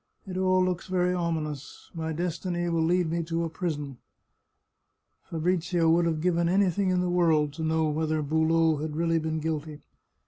It all looks very ominous. My destiny will lead me to a prison !" Fabrizio would have given anything in the world to know whether Boulot had really been guilty.